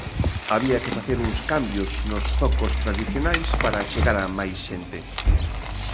Había que facer uns cambios nos zocos tradicionais para chegar a máis xente.